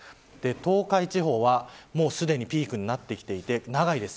東海地方はすでにピークになってきていて長いです。